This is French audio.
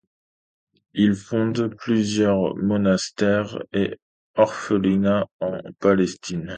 Il fonde plusieurs monastères et orphelinats en Palestine.